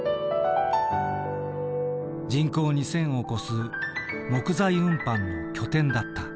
人口２，０００を超す木材運搬の拠点だった。